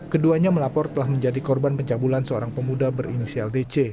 keduanya melapor telah menjadi korban pencabulan seorang pemuda berinisial dc